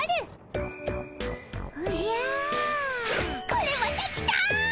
これまたきた！